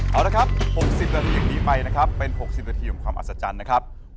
เอาละครับ๖๐นาทีอย่างนี้ไปนะครับเป็น๖๐นาทีของความอัศจรรย์นะครับ